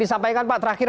saya ke pak dhani